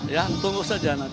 ya tunggu saja nanti